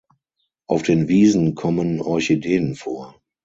Auf den Wiesen kommen Orchideen vor.